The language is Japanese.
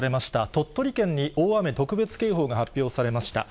鳥取県に大雨特別警報が発表されました。